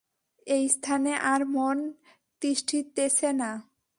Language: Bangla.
এস্থানে আর মন তিষ্ঠিতেছে না।